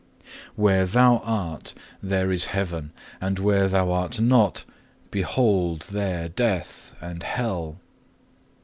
Where Thou art, there is heaven; and where Thou are not, behold there death and hell.